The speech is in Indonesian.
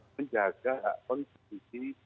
menjaga hak hak konsumsi